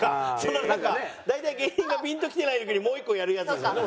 なんか大体芸人がピンときてない時にもう一個やるやつですもんね。